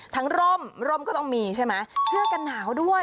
ร่มร่มก็ต้องมีใช่ไหมเสื้อกันหนาวด้วย